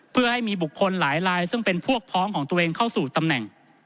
เพื่อให้มีบุคคลหลายลายซึ่งเป็นพวกพ้องของตัวเองเข้าสู่ตำแหน่ง